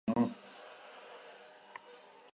Deialdian ere ez dago berritasunik.